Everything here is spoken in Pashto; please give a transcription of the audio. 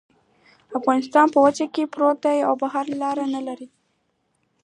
افغانستان په وچه کې پروت دی او بحري لارې نلري